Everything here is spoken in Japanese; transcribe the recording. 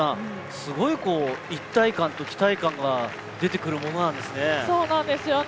すごい一体感と期待感が出てくるものなんですね。